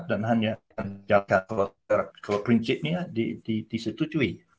dan hanya jatuh ke prinsipnya disetujui